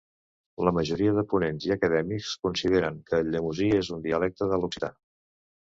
La majoria de ponents i acadèmics consideren que el llemosí és un dialecte de l'occità.